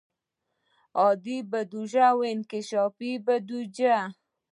عادي بودیجه او انکشافي بودیجه.